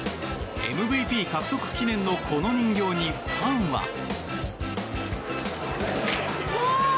ＭＶＰ獲得記念のこの人形にファンは。